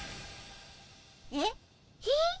えっ？